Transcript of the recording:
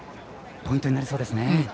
ポイントになりそうですね。